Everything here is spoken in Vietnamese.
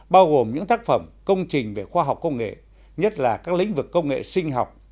bao gồm những tác phẩm công trình về khoa học công nghệ nhất là các lĩnh vực công nghệ sinh học